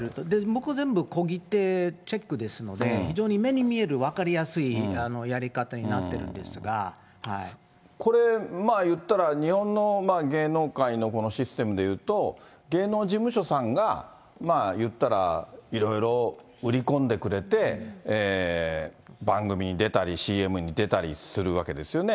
向こう、全部小切手チェックですので、非常に目に見える分かりやすいやりこれ、言ったら日本の芸能界のシステムで言うと、芸能事務所さんが言ったらいろいろ売り込んでくれて、番組に出たりＣＭに出たりするわけですよね。